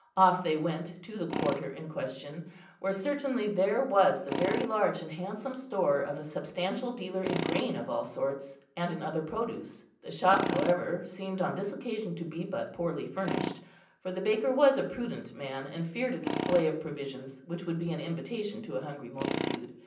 Off they went to the quarter in question, where certainly there was the very large and handsome store of a substantial dealer in grain of all sorts, and in other produce. The shop, however, seemed on this occasion to be but poorly furnished; for the baker was a prudent man, and feared a display of provisions which would be an invitation to a hungry multitude.